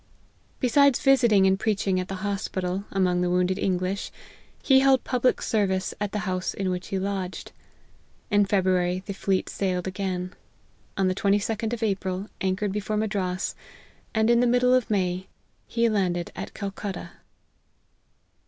Besides visiting and preaching at the hospital, among the wounded English, he held public ser vice at the house in which he lodged. In February the fleet again sailed : on the 22d of April anchored before Madras, and in the middle of May, he land ed at Calcutta.